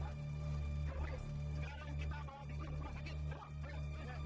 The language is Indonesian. aku akan jadi penjahat